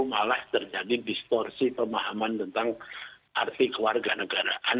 malah terjadi distorsi pemahaman tentang arti kewarga negaraan